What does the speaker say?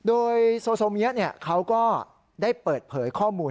โดยโซเมียเขาก็ได้เปิดเผยข้อมูล